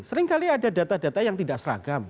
sering kali ada data data yang tidak seragam